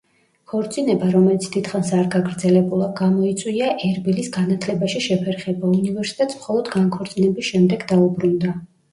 ქორწინება, რომელიც დიდხანს არ გაგრძელებულა, გამოიწვია ერბილის განათლებაში შეფერხება; უნივერსიტეტს მხოლოდ განქორწინების შემდეგ დაუბრუნდა.